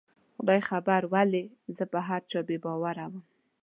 خدای خبر ولې زه په هر چا بې باوره ومه